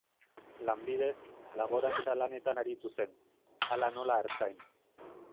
Lanbidez, laborantza lanetan aritu zen, hala nola artzain.